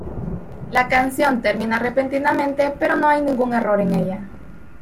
La canción termina repentinamente, pero no hay ningún error en ella.